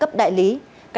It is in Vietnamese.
các đại lý lại tiếp tục cắt